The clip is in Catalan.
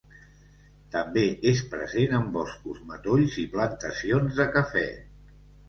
També és present en boscos, matolls i plantacions de cafè.